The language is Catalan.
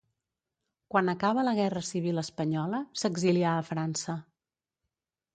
Quan acaba la guerra civil espanyola s'exilià a França.